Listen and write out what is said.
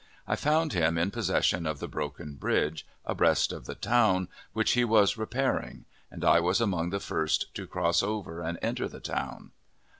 I found him in possession of the broken bridge, abreast of the town, which he was repairing, and I was among the first to cross over and enter the town.